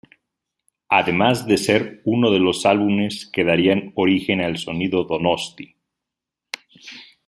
Además de ser uno de los álbumes que darían origen al Sonido Donosti.